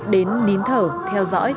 đến nín thở theo dõi